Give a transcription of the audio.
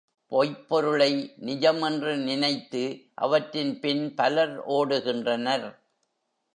பொய்ப்பொருளை நிஜம் என்று நினைத்து அவற்றின்பின் பலர் ஓடுகின்றனர்.